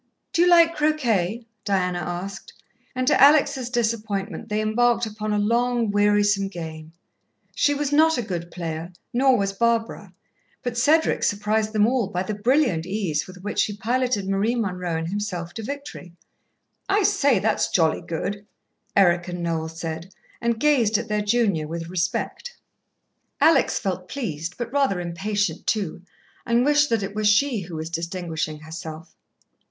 "Do you like croquet?" Diana asked, and to Alex' disappointment they embarked upon a long, wearisome game. She was not a good player, nor was Barbara, but Cedric surprised them all by the brilliant ease with which he piloted Marie Munroe and himself to victory. "I say, that's jolly good!" Eric and Noel said, and gazed at their junior with respect. Alex felt pleased, but rather impatient too, and wished that it were she who was distinguishing herself.